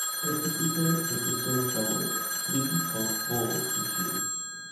A typical episode covered three or four issues.